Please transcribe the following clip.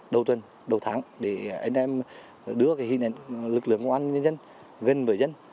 đầu tuần đầu tháng để anh em đưa cái hình ảnh lực lượng công an nhân dân gần với dân